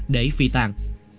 để phi tàn